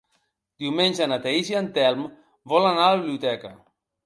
Diumenge na Thaís i en Telm volen anar a la biblioteca.